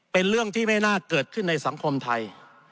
เป็นเรื่องที่ไม่น่าเกิดขึ้นในสังคมไทย